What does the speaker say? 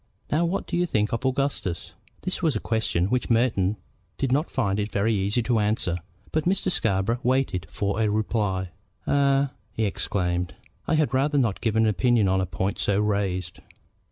Now what do you think of Augustus?" This was a question which Merton did not find it very easy to answer. But Mr. Scarborough waited for a reply. "Eh?" he exclaimed. "I had rather not give an opinion on a point so raised."